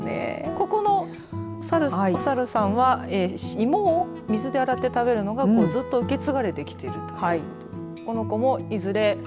ここのお猿さんは芋を水で洗って食べるのがずっと受け継がれてきているとこの子もいずれ